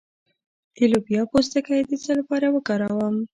د لوبیا پوستکی د څه لپاره وکاروم؟